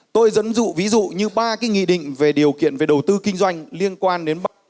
tôi dẫn dụ ví dụ như ba cái nghị định về điều kiện về đầu tư kinh doanh liên quan đến